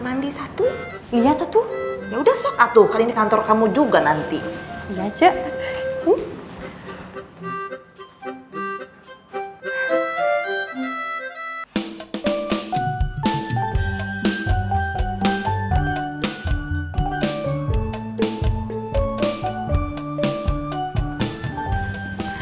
mandi satu iya tuh ya udah sokat tuh kali ini kantor kamu juga nanti iya cek tuh